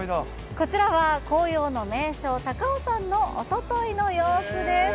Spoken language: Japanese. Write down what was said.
こちらは紅葉の名所、高尾山のおとといの様子です。